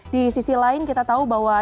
di sisi lain kita tahu bahwa